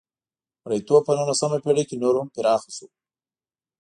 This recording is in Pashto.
مریتوب په نولسمه پېړۍ کې نور هم پراخه شوه.